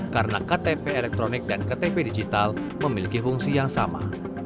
karena ktp elektronik dan ktp digital memiliki fungsi yang sama